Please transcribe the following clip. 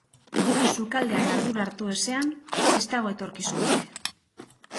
Sukaldean ardura hartu ezean, ez dago etorkizunik.